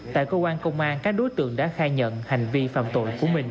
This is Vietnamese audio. tại cơ quan công an các đối tượng đã khai nhận hành vi phạm tội của mình